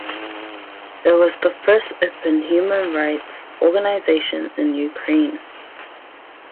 It was the first open human rights organization in Ukraine.